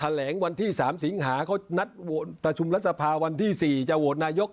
แหลงวันที่๓สิงหาเขานัดประชุมรัฐสภาวันที่๔จะโหวตนายก